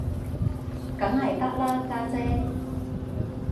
梗係得啦，家姐